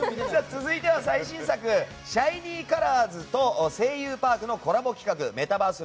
続いては、最新作「シャイニーカラーズ」と「声優パーク」のコラボ企画メタバース